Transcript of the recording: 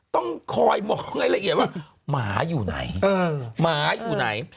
ต้องคอยมองให้ละเอียดว่าหมาอยู่ไหนหมาอยู่ไหน